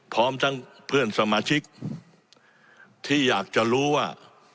พร้อมทั้งเพื่อนสมาชิกที่อยากจะรู้ว่า